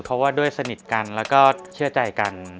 เพราะว่าด้วยสนิทกันแล้วก็เชื่อใจกัน